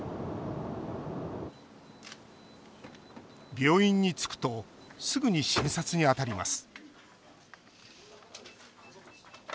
病院に着くとすぐに診察に当たります。